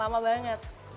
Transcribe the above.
lama lama banget